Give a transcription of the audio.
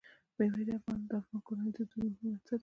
مېوې د افغان کورنیو د دودونو مهم عنصر دی.